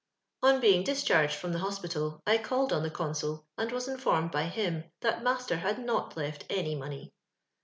On being discharged from the hospital I called on tho consul, und wus Informed by him that master had not left any money.